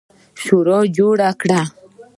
شورا جوړه کړه.